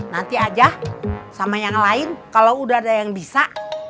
nanti aja sama yang lain kalau udah ada yang bisa